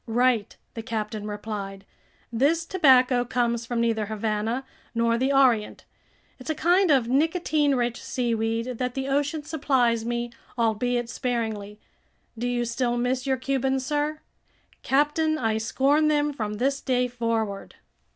"Right," the captain replied, "this tobacco comes from neither Havana nor the Orient. It's a kind of nicotine rich seaweed that the ocean supplies me, albeit sparingly. Do you still miss your Cubans, sir?" "Captain, I scorn them from this day forward."